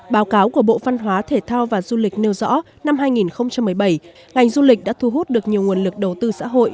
báo cáo của bộ văn hóa thể thao và du lịch nêu rõ năm hai nghìn một mươi bảy ngành du lịch đã thu hút được nhiều nguồn lực đầu tư xã hội